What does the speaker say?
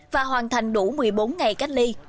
và hoàn thành đủ một mươi bốn ngày cách ly